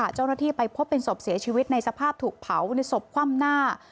เจ้าหน้าที่ไปพบเป็นศพเสียชีวิตในสภาพถูกเผาในศพคว่ำหน้า